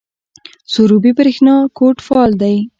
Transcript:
سروبي بریښنا کوټ فعال دی؟